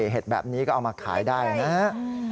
เห็ดแบบนี้ก็เอามาขายได้นะครับ